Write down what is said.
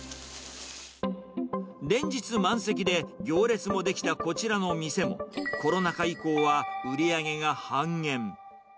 連日満席で、行列も出来たこちらの店も、コロナ禍以降は売り上げが半減。